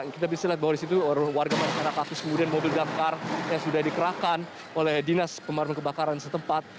kita bisa lihat bahwa di situ warga masyarakat terus kemudian mobil damkar yang sudah dikerahkan oleh dinas pemarum kebakaran setempat